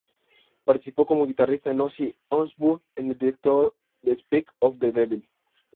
Participó como guitarrista en Ozzy Osbourne en el directo Speak of the Devil.